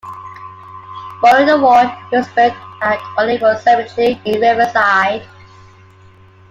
Following the war he was buried at Olivewood Cemetery in Riverside.